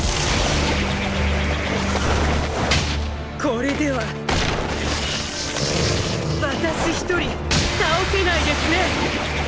これでは私ひとり倒せないですね。